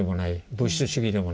物質主義でもない。